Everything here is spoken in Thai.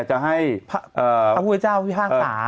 จะให้พระเจ้าพี่ภาคสา